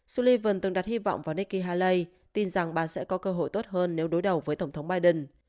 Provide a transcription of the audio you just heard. sullivan từng đặt hy vọng vào nikki haley tin rằng bà sẽ có cơ hội tốt hơn nếu đối đầu với tổng thống biden